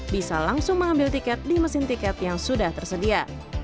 bisa langsung mengambil tiket di mesin tiket yang sudah tersedia